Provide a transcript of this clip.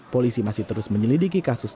polisi masih terus menyelidiki kasus